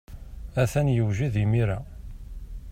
Atan yewjed imir-a.